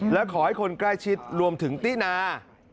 และขอให้คนใกล้ชิดรวมถึงตินา